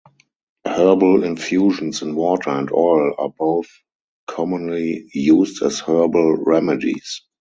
Herbal infusions in water and oil are both commonly used as herbal remedies.